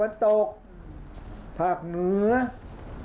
ภาคอีสานแห้งแรง